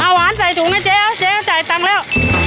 เอาหวานใส่ถุงนะเจ๊เจ๊จ่ายตังค์แล้ว